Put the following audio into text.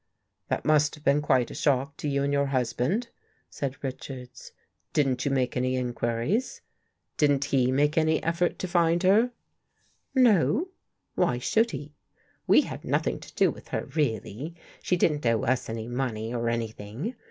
" That must have been quite a shock to you and your husband," said Richards. " Didn't you make any inquiries? Didn't he make any effort to find her? "" No. Why should he? We had nothing to do with her really. She didn't owe us any money or anything.